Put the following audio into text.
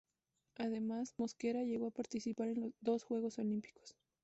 Además Mosquera llegó a participar en dos Juegos Olímpicos.